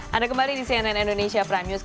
kita berjalan ke cvt maks wise